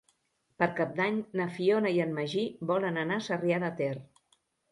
Per Cap d'Any na Fiona i en Magí volen anar a Sarrià de Ter.